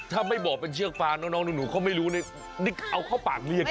ถ้าไม่บอกเป็นเชือกฟางน้องหนูก็ไม่รู้เนี่ย